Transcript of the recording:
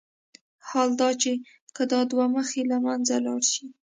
حال دا چې که دا دوه مخي له منځه لاړ شي.